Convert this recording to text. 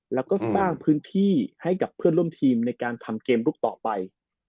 แล้วก็สร้างพื้นที่ให้กับเพื่อนร่วมทีมในการทำเกมลูกต่อไป